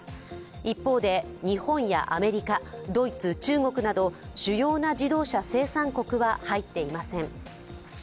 一方で、日本やアメリカドイツ、中国など主要な自動車生産国は入っていません。